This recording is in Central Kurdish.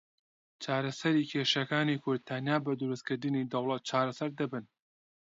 چارەسەری کێشەکانی کورد تەنیا بە دروستکردنی دەوڵەت چارەسەر دەبن.